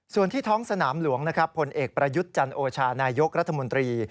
ส่วนที่ท้องสนามหลวงนะครับผลเอกประยุทธ์จันโอชานายกรัฐมนตรี